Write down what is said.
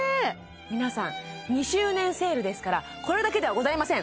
皆さん２周年セールですからこれだけではございません